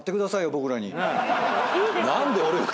何で俺が。